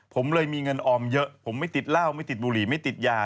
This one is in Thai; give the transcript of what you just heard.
ผมเลยมีเงินออมเยอะผมไม่ติดเหล้าไม่ติดบุหรี่ไม่ติดยา